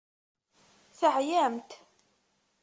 Teɛyamt.